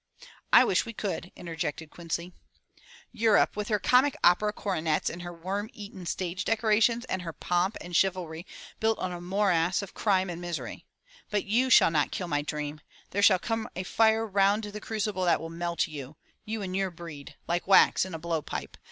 "I wish we could," interjected Quincy. 200 FROM THE TOWER WINDOW "Europe with her comic opera coronets and her worm eaten stage decorations and her pomp and chivalry built on a morass of crime and misery. But you shall not kill my dream. There shall come a fire round the crucible that will melt you — ^you and your breed — like wax in a blow pipe.